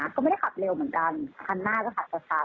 ก็ไม่ได้ขับเร็วเหมือนกันคันหน้าก็ขับช้า